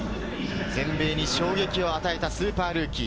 全米に衝撃を与えたスーパールーキー。